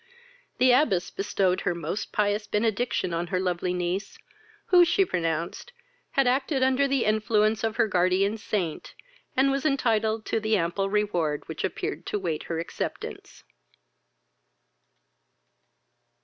The abbess bestowed her most pious benediction on her lovely niece, who, she pronounced, had acted under the influence of her guardian saint, and was entitled to the ample reward which appeared to wait her acceptance.